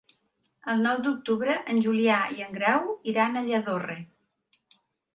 El nou d'octubre en Julià i en Grau iran a Lladorre.